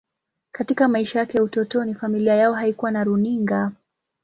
Katika maisha yake ya utotoni, familia yao haikuwa na runinga.